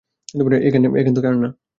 এখন থেকে আর না।